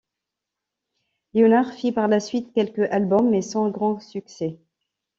Leonard fit par la suite quelques albums mais sans grand succès.